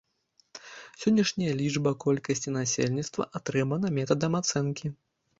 Сённяшняя лічба колькасці насельніцтва атрымана метадам ацэнкі.